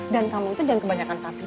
dan kamu itu jangan kebanyakan tapi